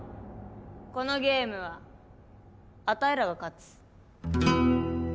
このゲームはあたいらが勝つ。